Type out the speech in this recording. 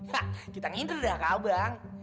hah kita ngider dah kak bang